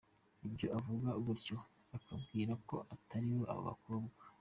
Iyo uvuze gutyo akubwira ko we Atari abo bakobwa.